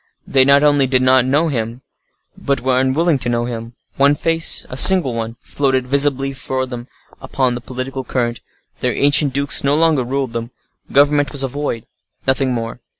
They not only did not know him, but were unwilling to know him. One face—a single one—floated visibly for them upon the political current. Their ancient dukes no longer ruled them; government was a void—nothing more.